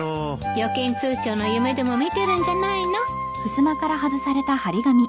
預金通帳の夢でも見てるんじゃないの？